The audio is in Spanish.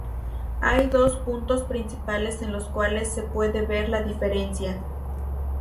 Hay dos puntos principales en los cuales se puede ver la diferencia.